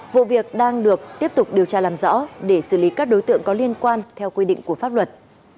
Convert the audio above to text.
vụ việc đang được tiếp tục điều tra làm rõ để xử lý các đối tượng có liên quan theo quy định của pháp luật